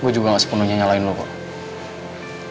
gue juga gak sepenuhnya nyalahin lo kom